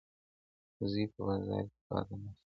زوی په بازار کي پاته نه سو.